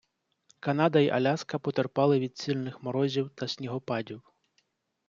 Канада й Аляска потерпали від сильних морозів та снігопадів.